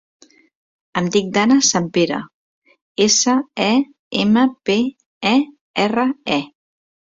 Em dic Dana Sempere: essa, e, ema, pe, e, erra, e.